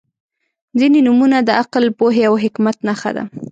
• ځینې نومونه د عقل، پوهې او حکمت نښه ده.